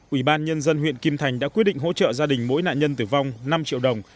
ủy ban nhân dân huyện kim thành đã quyết định hỗ trợ gia đình mỗi nạn nhân tử vong năm triệu đồng